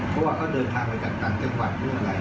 เพราะว่าเขาเดินทางมาจากต่างจังหวัด